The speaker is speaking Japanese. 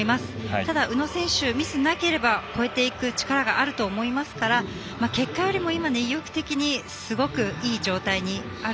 ただ、宇野選手、ミスなければ超えていく力があると思いますから結果よりも今は意欲的にすごく、いい状態にある。